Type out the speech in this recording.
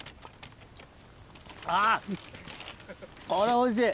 あぁこれおいしい。